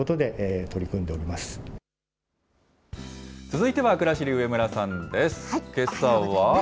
続いては、くらしり、上村さんです。